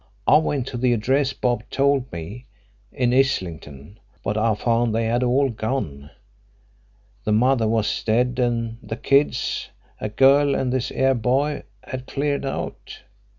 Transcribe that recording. I went to the address Bob told me, in Islington, but I found they had all gone. The mother was dead and the kids a girl and this here boy had cleared out.